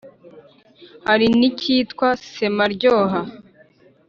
hari n’icyitwa semaryoha,